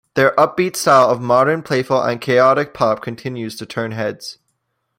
Their upbeat style of modern playful and chaotic pop continues to turn heads.